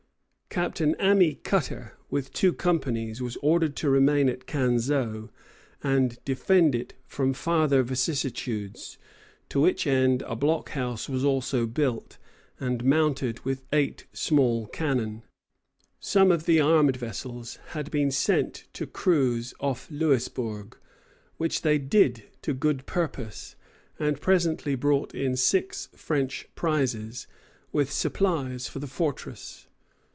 Captain Ammi Cutter, with two companies, was ordered to remain at Canseau and defend it from farther vicissitudes; to which end a blockhouse was also built, and mounted with eight small cannon. Some of the armed vessels had been sent to cruise off Louisbourg, which they did to good purpose, and presently brought in six French prizes, with supplies for the fortress.